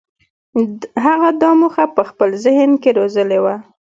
هغه دا موخه په خپل ذهن کې روزلې وه.